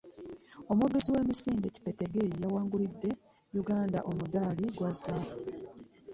Omuduusi w'emisinde Kyeptegei yawangulidde Uganda omudaali gwa zaabbu.